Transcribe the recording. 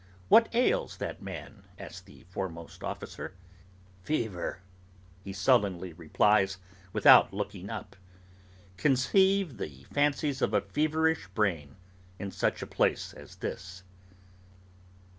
'What ails that man?' asks the foremost officer. 'Fever,' he sullenly replies, without looking up. Conceive the fancies of a feverish brain, in such a place as this!